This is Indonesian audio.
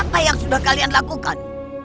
apa yang sudah kalian lakukan